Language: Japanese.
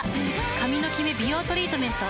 髪のキメ美容トリートメント。